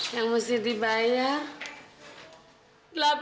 yang mesti dibayar